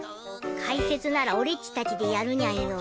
解説ならオレっちたちでやるニャンよ。